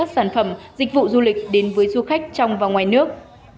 sản phẩm dịch vụ du lịch đến với du khách trong và ngoài nước